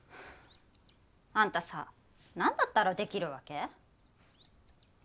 あんたさ何だったらできるわけ？